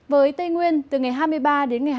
với tây nguyên từ ngày hai mươi ba đến ngày hai mươi